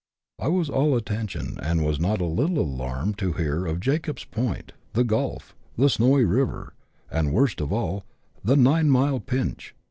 I was all attention, and was not a little alarmed to hear of " Jacob's Point," " The Gulf," the " Snowy River," and, worst of all, the " Nine mile Pinch."